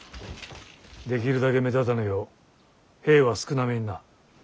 できるだけ目立たぬよう兵は少なめにな。